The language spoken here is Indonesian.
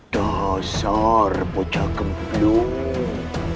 dasar bocah kemplung